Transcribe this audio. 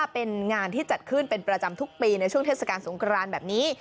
เป็นงานที่จัดขึ้นเป็นประจำทุกปีในช่วงเทศกาลสงครานแบบนี้